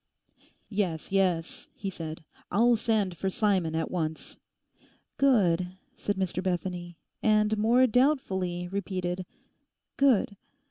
'Yes, yes.' he said; 'I'll send for Simon at once.' 'Good,' said Mr Bethany, and more doubtfully repeated 'good.